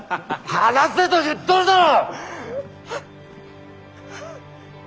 放せと言っとるだろ！